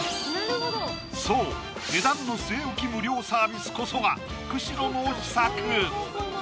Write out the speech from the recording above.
そう値段の据え置き無料サービスこそが久代の秘策！